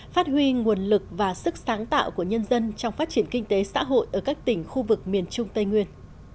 phát huy nguồn lực và sức sáng tạo của nhân dân trong phát triển kinh tế xã hội ở các tỉnh khu vực miền trung tây nguyên